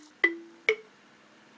jururaksa atau penyampai perang